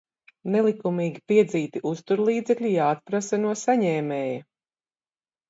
Nelikumīgi piedzīti uzturlīdzekļi jāatprasa no saņēmēja.